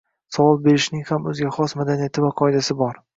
Savol berishning ham o’ziga xos madaniyati va qoidasi bor